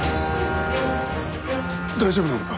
大丈夫なのか？